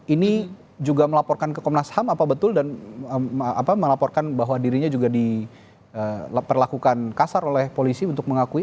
ini juga melaporkan ke komnas ham apa betul dan melaporkan bahwa dirinya juga diperlakukan kasar oleh polisi untuk mengakui